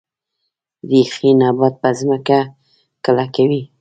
ریښې نبات په ځمکه کلکوي